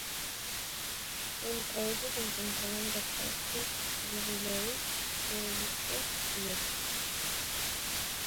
Entre ellos se encontraban Jack Carter, Jerry Lewis, Joey Bishop y otros.